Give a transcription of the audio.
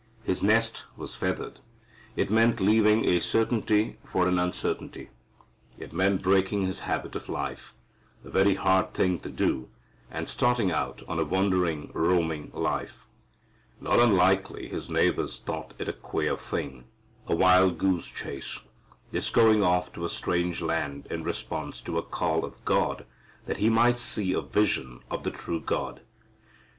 His nest was feathered. It meant leaving a certainty for an uncertainty. It meant breaking his habit of life, a very hard thing to do, and starting out on a wandering roaming life. Not unlikely his neighbors thought it a queer thing, a wild goose chase, this going off to a strange land in response to a call of God that he might see a vision of the true God.